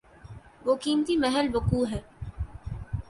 وہ قیمتی محل وقوع ہے۔